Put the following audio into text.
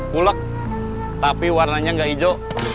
kulek tapi warnanya nggak hijau